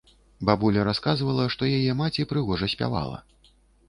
Бабуля расказвала, што яе маці прыгожа спявала.